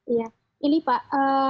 iya ini pak